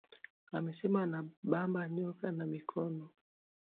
Asema ana bamba nyoka na mikono